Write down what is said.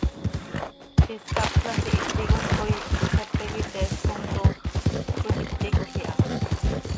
Ziix is ccapxl hant ihíticol coi xepe quih iteel com toox cöimíticol iha.